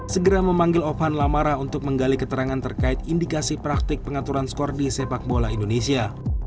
segera memanggil offan lamara untuk menggali keterangan terkait indikasi praktik pengaturan skor di sepak bola indonesia